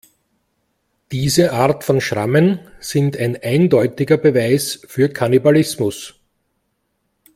Diese Art von Schrammen sind ein eindeutiger Beweis für Kannibalismus.